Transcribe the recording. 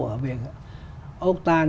ở về ốc tan